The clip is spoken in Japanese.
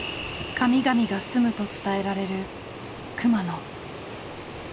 神々がすむと伝えられる熊野。